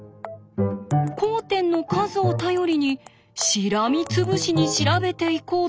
交点の数を頼りにしらみつぶしに調べていこうというのです。